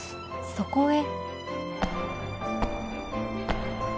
そこへ